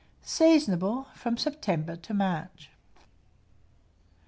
Seasonable from September to March.